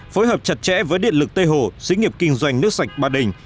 phối hợp chặt chẽ với điện lực tây hồ sĩ nghiệp kinh doanh nước sạch ba đình